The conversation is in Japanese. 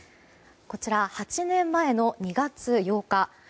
こちら８年前の２月８日。